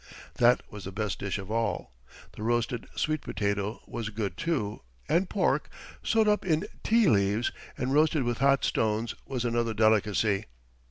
That was the best dish of all. The roasted sweet potato was good, too, and pork, sewed up in ti leaves and roasted with hot stones, was another delicacy.